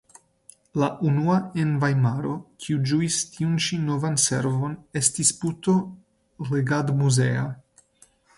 La unua en Vajmaro kiu ĝuis tiun ĉi novan servon estis Puto legadmuzea.